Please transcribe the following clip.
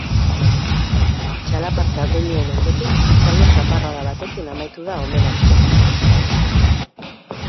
Txalaparta doinuen ondotik, txalo zaparrada batekin amaitu da omenaldia.